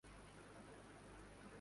اپنی مثال آپ ہے